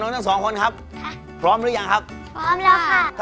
ทั้งสองคนครับค่ะพร้อมหรือยังครับพร้อมแล้วค่ะ